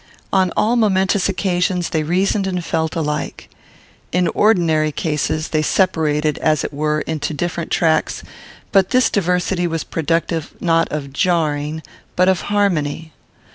On all momentous occasions, they reasoned and felt alike. In ordinary cases, they separated, as it were, into different tracks; but this diversity was productive not of jarring, but of harmony.